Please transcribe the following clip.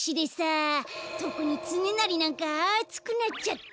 とくにつねなりなんかあつくなっちゃって。